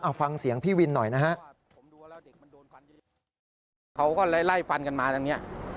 เอาฟังเสียงพี่วินหน่อยนะฮะเขาก็ไล่ไล่ฟันกันมาตรงเนี้ย